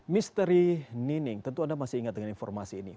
misteri nining tentu anda masih ingat dengan informasi ini